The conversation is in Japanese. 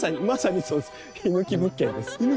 まさにそうです。